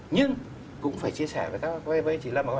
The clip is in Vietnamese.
nhưng cũng phải chia sẻ với chị lâm